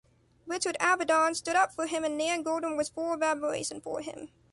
Richard Avedon stood up for him and Nan Goldin was full of admiration for him.